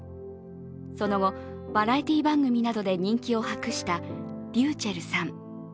その後、バラエティー番組などで人気を博したｒｙｕｃｈｅｌｌさん。